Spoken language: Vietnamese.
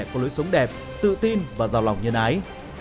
có lối sống đẹp tự tin và giàu lòng nhân ái